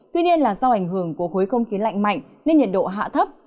tuy nhiên là do ảnh hưởng của khối không khí lạnh mạnh nên nhiệt độ hạ thấp